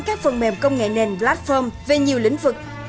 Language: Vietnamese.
các phần mềm công nghệ nền platform về nhiều lĩnh vực